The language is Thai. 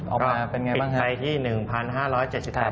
ออกมาเป็นอย่างไรบ้างครับ